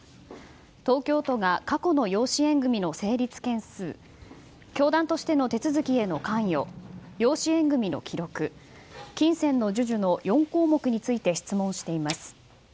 東京都が過去の養子縁組の成立件数教団としての手続きへの関与養子縁組の記録金銭の授受の４項目について質問しています。